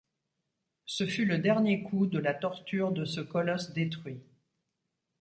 Ce fut le dernier coup de la torture de ce colosse détruit.